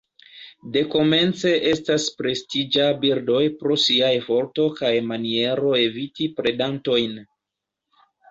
Dekomence estas prestiĝa birdoj pro siaj forto kaj maniero eviti predantojn.